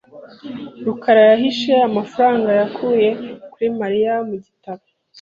rukara yahishe amafaranga yakuye kuri Mariya mu gitabo .